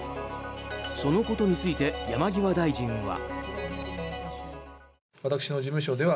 そのことについて山際大臣は。